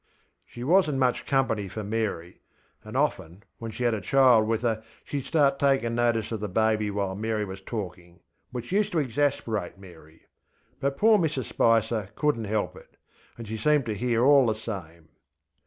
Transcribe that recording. ŌĆÖ She wasnŌĆÖt much company for Mary; and often, when she had a child with her, sheŌĆÖd start taking notice of the baby while Mary was talking, which used to exasperate Mary. But poor Mrs Spicer couldnŌĆÖt help it, and she seemed to hear all the same.